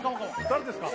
誰ですか？